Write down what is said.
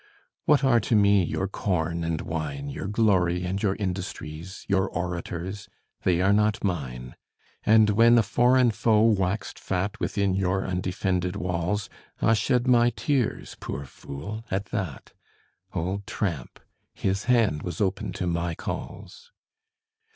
What are to me your corn and wine, Your glory and your industries, Your orators? They are not mine. And when a foreign foe waxed fat Within your undefended walls, I shed my tears, poor fool, at that: Old tramp, his hand was open to my calls.